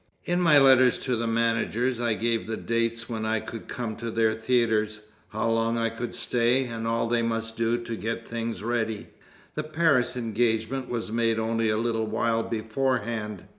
In my letters to the managers I gave the dates when I could come to their theatres, how long I could stay, and all they must do to get things ready. The Paris engagement was made only a little while beforehand.